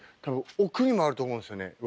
たぶん奥にもあると思うんですよね。